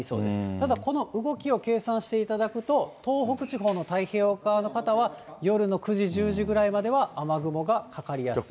ただ、この動きを計算していただくと、東北地方の太平洋側の方は、夜の９時、１０時ぐらいまでは雨雲がかかりやすい。